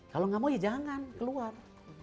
kalau nggak mau ya jangan keluar